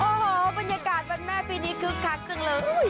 โอ้โหบรรยากาศวันแม่ปีนี้คึกคักจังเลย